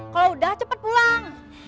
kalau udah cepet pulang